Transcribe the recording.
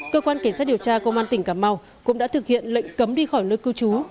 cơ quan cảnh sát điều tra công an tỉnh cà mau cũng đã thực hiện lệnh cấm đi khỏi nơi cư trú